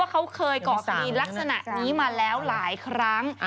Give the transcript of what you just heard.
เขาเคยเกาะคดีลักษณะนี้มาแล้วหลายครั้ง